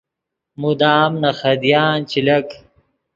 مدام نے خدیان چے لک